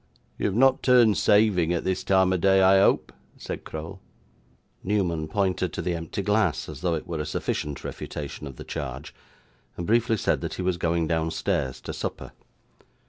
'You have not turned saving, at this time of day, I hope?' said Crowl. Newman pointed to the empty glass, as though it were a sufficient refutation of the charge, and briefly said that he was going downstairs to supper.